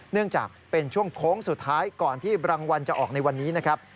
เนื่องจากเป็นช่วงโค้งสุดท้ายก่อนที่รางวัลจะออกในวันนี้นะครับ